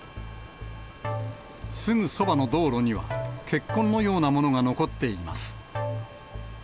すぐそばの道路には、血痕のようなものが残っています。